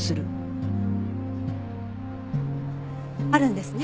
あるんですね？